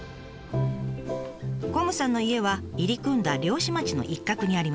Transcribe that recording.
こむさんの家は入り組んだ漁師町の一角にあります。